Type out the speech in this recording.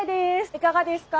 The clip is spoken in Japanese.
いかがですか。